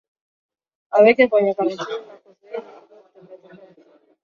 Waweke kwenye karantini na kuzuia mifugo kutembeatembea